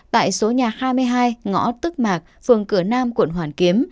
tại số nhà hai mươi hai ngõ tức mạc phường cửa nam quận hoàn kiếm